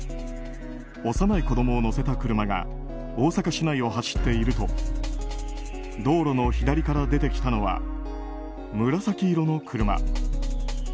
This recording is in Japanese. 幼い子供を乗せた車が大阪市内を走っていると道路の左から出てきたのは紫色の車。